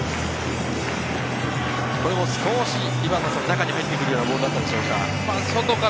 これも少し中に入ってくるようなボールだったでしょうか。